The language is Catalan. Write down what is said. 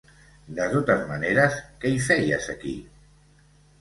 De totes maneres, què hi feies aquí?